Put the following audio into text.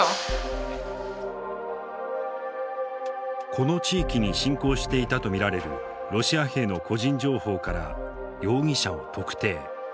この地域に侵攻していたと見られるロシア兵の個人情報から容疑者を特定。